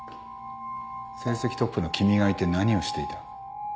成績トップの君がいて何をしていた？